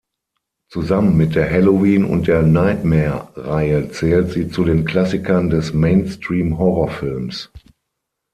Zusammen mit der "Halloween"- und der "Nightmare"-Reihe zählt sie zu den Klassikern des Mainstream-Horrorfilms.